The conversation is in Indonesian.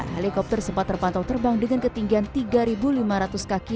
helikopter sempat terpantau terbang dengan ketinggian tiga lima ratus kaki